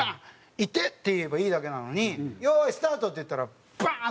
「イテッ！」って言えばいいだけなのに「用意スタート」って言ったらバーン！